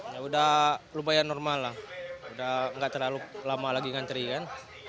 ya udah lumayan normal lah udah nggak terlalu lama lagi ngantri kan